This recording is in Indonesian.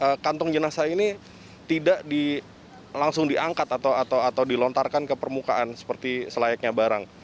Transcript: sehingga kantong jenazah ini tidak langsung diangkat atau dilontarkan ke permukaan seperti selayaknya barang